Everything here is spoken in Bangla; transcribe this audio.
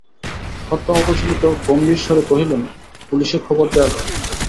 কর্তা অবিচলিত গম্ভীরস্বরে কহিলেন, পুলিসে খবর দেওয়া যাক।